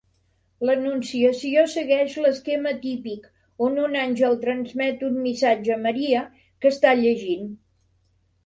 L'Anunciació segueix l'esquema típic, on un àngel transmet un missatge a Maria, que està llegint.